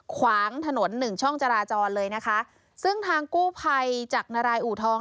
ขวางถนนหนึ่งช่องจราจรเลยนะคะซึ่งทางกู้ภัยจากนารายอูทอง